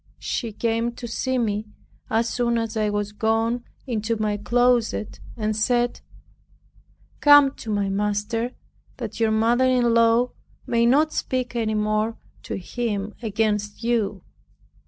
She came to see me as soon as I was gone into my closet, and said, "Come to my master that your mother in law may not speak any more to him against you."